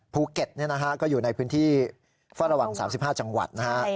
ภูเก็ตก็อยู่ในพื้นที่เฝ้าระวัง๓๕จังหวัดนะฮะ